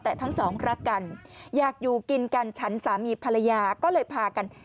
แต่ทั้งสองรักกันอยากอยู่กินกันฉันสามีภรรยาก็เลยพากัน